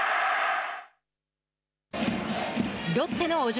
ロッテの小島。